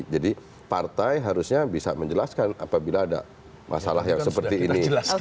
jadi partai harusnya bisa menjelaskan apabila ada masalah yang seperti ini